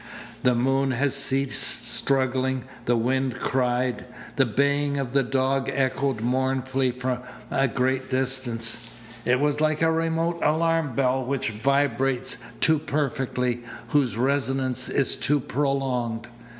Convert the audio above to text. The moon had ceased struggling. The wind cried. The baying of a dog echoed mournfully from a great distance. It was like a remote alarm bell which vibrates too perfectly, whose resonance is too prolonged.